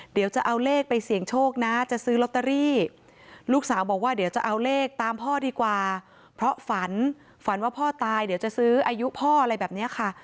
เดี๋ยวจะเอาเลขไปเสี่ยงโชคนะจะซื้อลอตเตอรี่